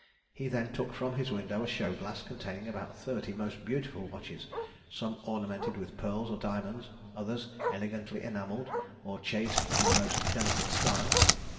He then took from his window a show glass, containing about thirty most beautiful watches, some ornamented with pearls or diamonds, others elegantly enamelled, or chased in the most delicate style.